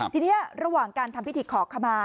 ทีนี้ระหว่างการทำพิธีขอขมา